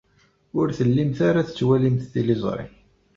Ur tellimt ara tettwalimt tiliẓri.